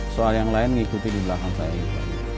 soal yang lain mengikuti di belakang saya